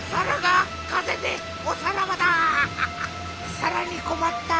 さらにこまった。